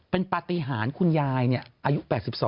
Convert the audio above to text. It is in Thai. เป็นปฏิหารคุณยายอายุ๘๒